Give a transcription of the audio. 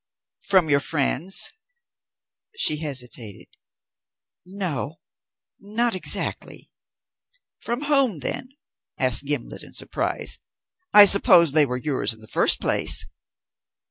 "From your friends?" She hesitated. "No not exactly." "From whom, then?" asked Gimblet in surprise. "I suppose they were yours in the first place?"